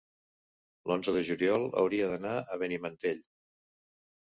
L'onze de juliol hauria d'anar a Benimantell.